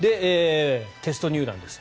テスト入団です。